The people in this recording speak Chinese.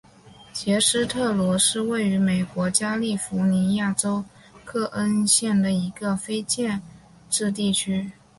杰斯特罗是位于美国加利福尼亚州克恩县的一个非建制地区。